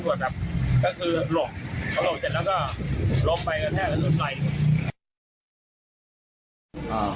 หลบเสร็จแล้วก็ล้มไปกระแทกลงไป